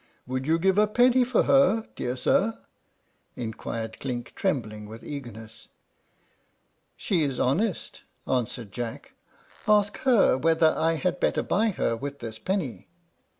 "Would you give a penny for her, dear sir?" inquired Clink, trembling with eagerness. "She is honest," answered Jack; "ask her whether I had better buy her with this penny."